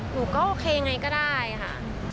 หนูก็โอเคยังไงก็ได้ค่ะ